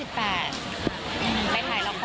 ไปถ่ายละคร